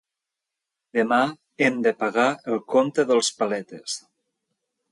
Demà hem de pagar el compte dels paletes.